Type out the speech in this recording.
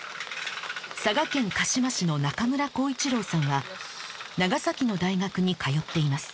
佐賀県鹿島市の中村弘一郎さんは長崎の大学に通っています